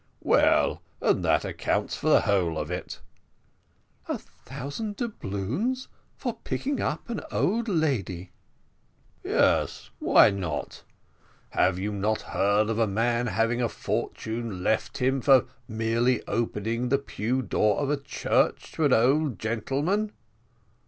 "Well, and that accounts for the whole of it." "A thousand doubloons for picking up an old lady!" "Yes, why not? have you not heard of a man having a fortune left him for merely opening the pew door of a church to an old gentleman?"